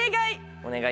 お願い。